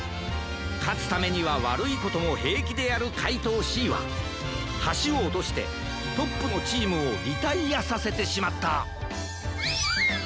かつためにはわるいこともへいきでやるかいとうＣははしをおとしてトップのチームをリタイアさせてしまった